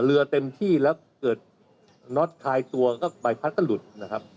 เต็มที่แล้วเกิดน็อตคลายตัวก็ใบพัดก็หลุดนะครับ